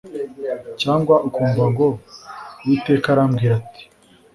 Cyangwa ukumva ngo “Uwiteka arambwira ati